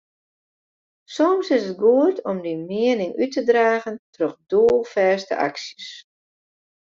Soms is it goed om dyn miening út te dragen troch doelfêste aksjes.